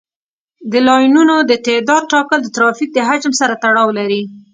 د لاینونو د تعداد ټاکل د ترافیک د حجم سره تړاو لري